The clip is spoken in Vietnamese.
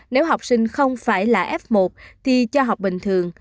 nếu học sinh không phải là f một thì cho học bình thường